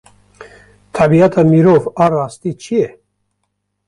Tebîata mirov a rastî çi ye?